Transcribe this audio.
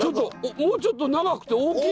もうちょっと長くて大きい。